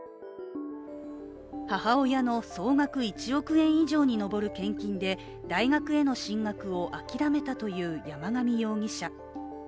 母親の総額１億円以上に上る献金で大学への進学を諦めたという山上容疑者。